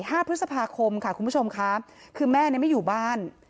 ห้าพฤษภาคมค่ะคุณผู้ชมค่ะคือแม่เนี่ยไม่อยู่บ้าน